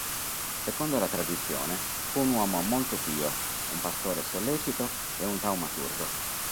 Secondo la tradizione fu un uomo molto pio, un pastore sollecito e un taumaturgo.